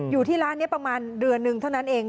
อยู่ที่ร้านนี้ประมาณเดือนหนึ่งเท่านั้นเอง